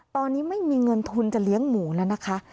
ตอนนี้ไม่มีเงินทุนจะเลี้ยงหมูแล้วนะคะ